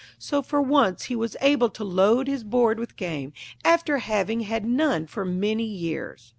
So for once he was able to load his board with game, after having had none for many years.